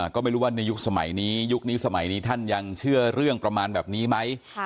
ก็ไม่รู้ว่าในยุคสมัยนี้ยุคนี้สมัยนี้ท่านยังเชื่อเรื่องประมาณแบบนี้ไหม